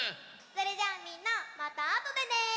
それじゃあみんなまたあとでね！